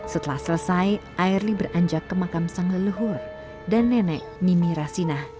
setelah selesai airly beranjak ke makam sang leluhur dan nenek mimi rasina